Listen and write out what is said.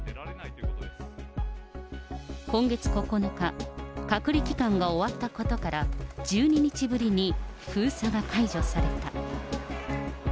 今月９日、隔離期間が終わったことから、１２日ぶりに封鎖が解除された。